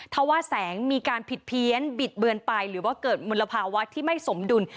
ถ้าว่าแสงมีการผิดเพี้ยนบิดเบือนไปหรือว่าเกิดมลภาวะที่ไม่สมดุล